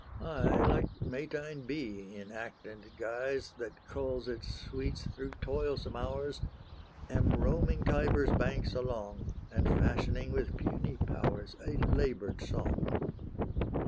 I, like Matine bee, In act and guise, That culls its sweets through toilsome hours, Am roaming Tibur's banks along, And fashioning with puny powers A laboured song.